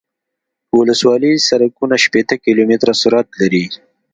ولسوالي سرکونه شپیته کیلومتره سرعت لري